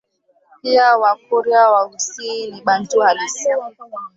Pia Wakurya Waghusii si Bantu halisi